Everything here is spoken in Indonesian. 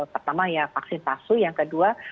pertama ya vaksin palsu yang kedua